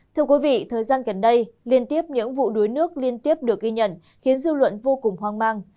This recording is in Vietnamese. thưa quý vị thời gian gần đây liên tiếp những vụ đuối nước liên tiếp được ghi nhận khiến dư luận vô cùng hoang mang